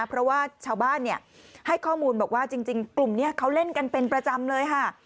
เพราะว่าชาวบ้านให้ข้อมูลบอกว่าจริงกลุ่มนี้เขาเล่นกันเป็นประจำเลยค่ะ